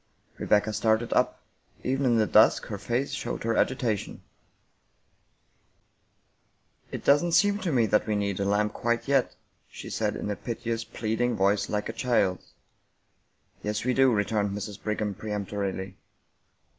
Rebecca started up; even in the dusk her face showed her agitation. 54 Mary E. WUkiiis Freeman " It doesn't seem to me that we need a lamp quite yet," she said in a piteous, pleading voice like a child's. " Yes, we do," returned Mrs. Brigham peremptorily.